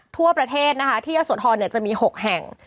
ทั่วประเทศนะคะที่สวทรเนี่ยจะมี๖แห่ง